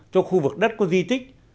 cho khu vực đất có di tích